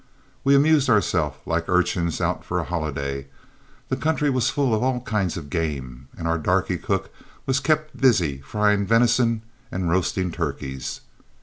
We amused ourselves like urchins out for a holiday, the country was full of all kinds of game, and our darky cook was kept busy frying venison and roasting turkeys.